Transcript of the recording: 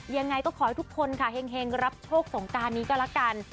ยังไงก็ขอให้ทุกคนค่ะเห็งรับโชคสงการนี้ก็แล้วกัน